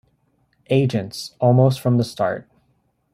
Agents almost from the start.